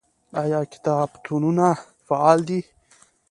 آیا کتابتونونه فعال دي؟